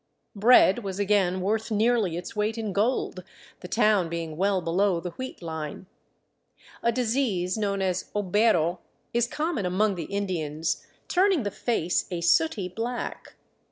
Bread was again worth nearly its weight in gold, the town being well below the wheat line. A disease known as " obero " is common among the Indians, turning the face a sooty black.